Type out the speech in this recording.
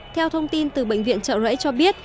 theo thông tin từ bệnh viện trợ rẫy cho biết